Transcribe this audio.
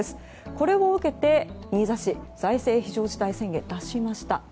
これを受けて、新座市財政非常事態宣言を出しました。